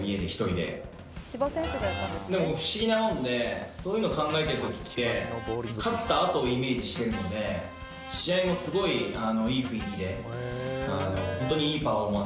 でも不思議なものでそういうの考えてる時って勝ったあとをイメージしてるので試合もすごいいい雰囲気でホントにいいパフォーマンス出せるんですよね